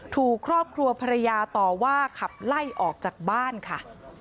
ถูกครอบครัวภรรยาต่อว่าขับไล่ออกจากบ้านค่ะ